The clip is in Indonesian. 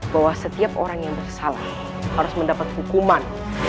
bahwa setiap orang yang bersalah harus mendapat hukuman